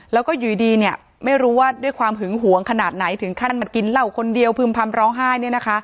แล้วก็อยู่ดีไม่รู้ว่าด้วยความหึงหวงขนาดไหนถึงขั้นมากินเหล้าคนเดียวพึ่มพำร้องไห้